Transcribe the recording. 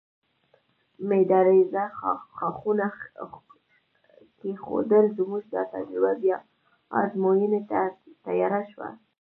مېده رېزه ښاخونه کېښودل، زموږ دا تجربه بیا ازموینې ته تیاره شوه.